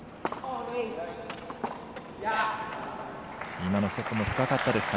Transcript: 今のショットも深かったですか。